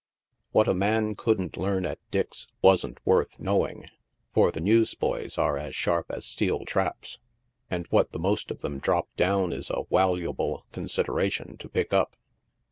What a man couldn't learn at Dick's wasn't worth knowing, for the newsboys are as sharp as steel traps, and what the most of them drop down is a waluable consideration to pick up.